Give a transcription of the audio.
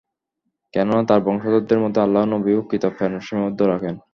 কেননা তার বংশধরদের মধ্যেই আল্লাহ নবী ও কিতাব প্রেরণ সীমাবদ্ধ রাখেন।